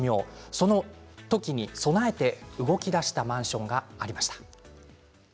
その時を考えて動きだしたマンションもあります。